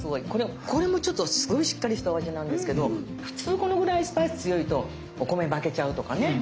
これもちょっとすごいしっかりしたお味なんですけど普通このぐらいスパイス強いとお米負けちゃうとかね